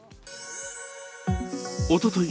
おととい